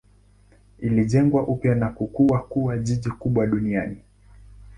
Ilijengwa upya na kukua kuwa jiji kubwa duniani.